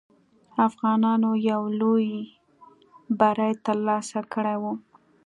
افغانانو یو لوی بری ترلاسه کړی وو.